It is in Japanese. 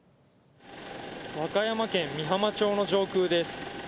和歌山県美浜町の上空です。